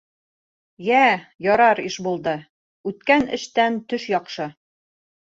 — Йә, ярар, Ишбулды, үткән эштән төш яҡшы.